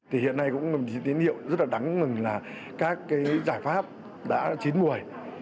thì hiện nay cũng là một tín hiệu rất là đáng mừng là các cái giải pháp đã chín mùi